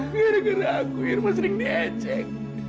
gara gara aku irma sering diecek